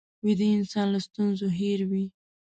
ویده انسان له ستونزو هېر وي